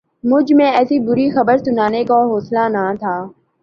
مجھ میں اسے بری خبر سنانے کا حوصلہ نہ تھا